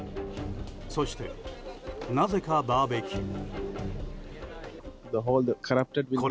そして、なぜかバーベキュー。